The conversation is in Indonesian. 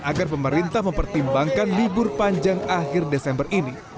agar pemerintah mempertimbangkan libur panjang akhir desember ini